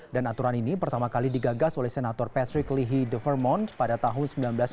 dan aturan ini pertama kali digagas oleh senator patrick lihih de vermont pada tahun seribu sembilan ratus sembilan puluh tujuh